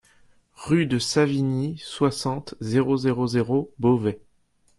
Rue de Savignies, soixante, zéro zéro zéro Beauvais